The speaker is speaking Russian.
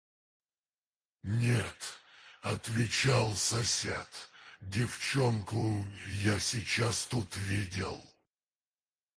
– Нет, – отвечал сосед, – девчонку я сейчас тут видел.